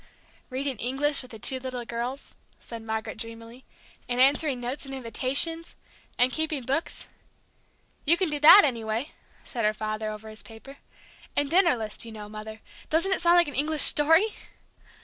"Reading English with the two little girls," said Margaret, dreamily, "and answering notes and invitations. And keeping books " "You can do that anyway," said her father, over his paper. "And dinner lists, you know, Mother doesn't it sound like an English story!"